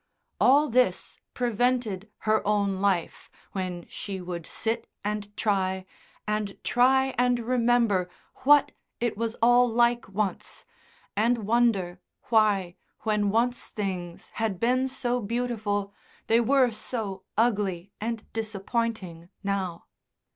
all this prevented her own life when she would sit and try, and try, and remember what it was all like once, and wonder why when once things had been so beautiful they were so ugly and disappointing now.